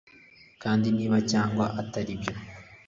kandi niba cyangwa atari byo